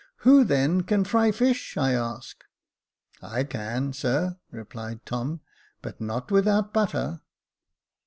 " Who, then, can fry fish, I ask .'"'" I can, sir," replied Tom ;" but not without butter."